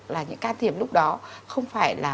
là những can thiệp lúc đó không phải là